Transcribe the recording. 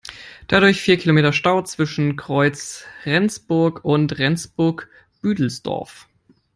Dadurch vier Kilometer Stau zwischen dem Kreuz Rendsburg und Rendsburg-Büdelsdorf.